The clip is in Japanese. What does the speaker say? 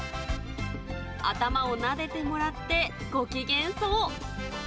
頭をなでてもらって、ご機嫌そう。